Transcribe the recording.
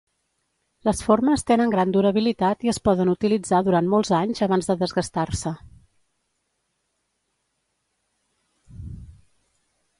Les formes tenen gran durabilitat i es poden utilitzar durant molts anys abans de desgastar-se.